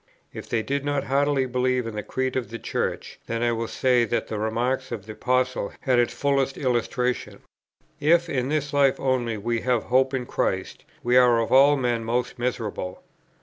If they did not heartily believe in the Creed of the Church, then I will say that the remark of the Apostle had its fullest illustration: "If in this life only we have hope in Christ, we are of all men most miserable."